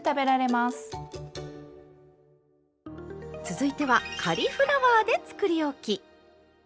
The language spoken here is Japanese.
続いてはカリフラワーでつくりおき。